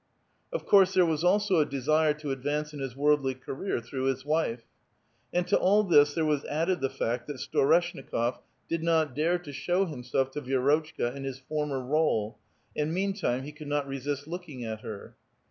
Of course, there was also a desire to advance in his worldly career through his wife. And to all this there was added the fact that Storeshnikof did not dare to show himself to Vi^rotchka in his formei r61e, and meantime he could not resist looking at her.